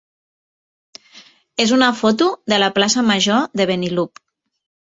és una foto de la plaça major de Benillup.